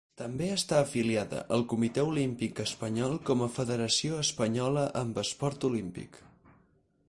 També està afiliada al Comitè Olímpic Espanyol com a federació espanyola amb esport olímpic.